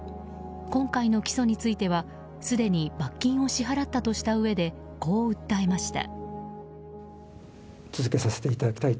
今回の起訴については、すでに罰金を支払ったとしたうえでこう訴えました。